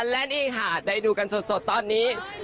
และนี่ค่ะได้ดูกันสดตอนนี้